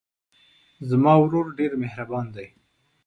زما ورور ډېر مهربان دی.